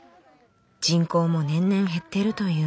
人口も年々減っているという。